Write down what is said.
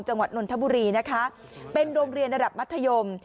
นนทบุรีนะคะเป็นโรงเรียนระดับมัธยม